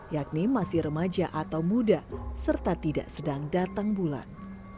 yakni masih remaja atau muda serta tidak sedang datang bulan